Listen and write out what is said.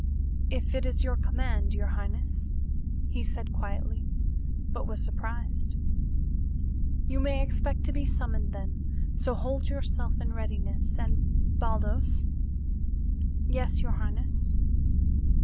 "If it is your command, your highness," he said quietly, but he was surprised. "You may expect to be summoned then, so hold yourself in readiness. And, Baldos " "Yes, your highness?"